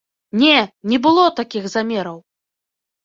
Не, не было такіх замераў!